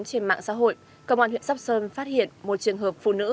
trên mạng xã hội công an huyện sóc sơn phát hiện một trường hợp phụ nữ